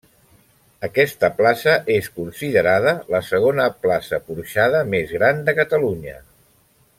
Aquesta plaça és considerada la segona plaça porxada més gran de Catalunya.